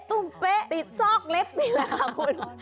ตุ้มเป๊ะติดซอกเล็บนี่แหละค่ะคุณ